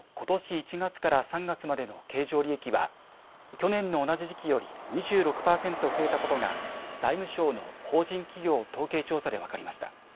１月から３月までの経常利益は去年の同じ時期より２６％増えたことが財務省の法人企業統計調査で分かりました。